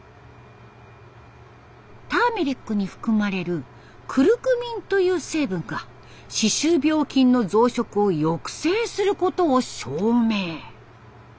ターメリックに含まれるクルクミンという成分が歯周病菌の増殖を抑制することを証明。